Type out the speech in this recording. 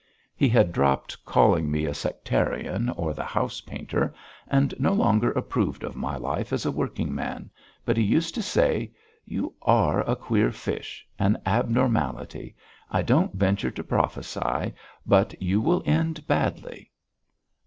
He had dropped calling me a sectarian or the House painter; and no longer approved of my life as a working man, but he used to say: "You are a queer fish! An abnormality. I don't venture to prophesy, but you will end badly!"